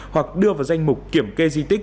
hoặc đưa vào danh mục kiểm kê di tích